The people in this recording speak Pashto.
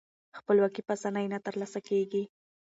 خپلواکي په اسانۍ نه ترلاسه کیږي.